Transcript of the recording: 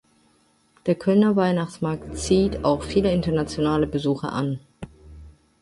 Der Kölner Weihnachtsmarkt zieht auch viele internationale Besucher an.